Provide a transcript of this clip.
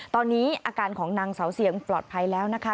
ตอนนี้อาการของนางเสาเสียงปลอดภัยแล้วนะคะ